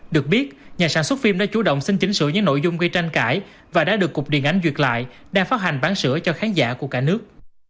được biết nhà sản xuất phim đã chủ động xin chỉnh sửa những nội dung gây tranh cãi và đã được cục điện ảnh duyệt lại đang phát hành bán sửa cho khán giả của cả nước